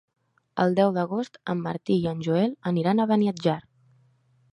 El deu d'agost en Martí i en Joel aniran a Beniatjar.